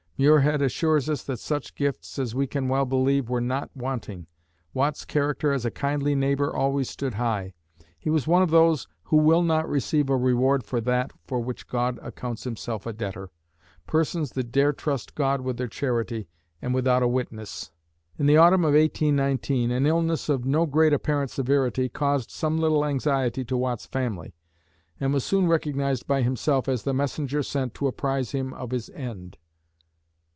Muirhead assures us that such gifts as we can well believe were not wanting. Watt's character as a kindly neighbor always stood high. He was one of those "who will not receive a reward for that for which God accounts Himself a debtor persons that dare trust God with their charity, and without a witness." In the autumn of 1819 an illness of no great apparent severity caused some little anxiety to Watt's family, and was soon recognised by himself as the messenger sent to apprise him of his end.